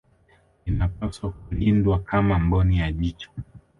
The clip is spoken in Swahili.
Linapaswa kulindwa kama mboni ya jicho